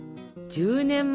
１０年前？